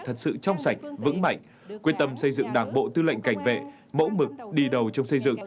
thật sự trong sạch vững mạnh quyết tâm xây dựng đảng bộ tư lệnh cảnh vệ mẫu mực đi đầu trong xây dựng